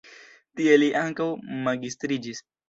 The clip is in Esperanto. Tie li ankaŭ magistriĝis.